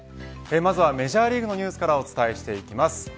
まずはメジャーリーグのニュースからお伝えしていきます。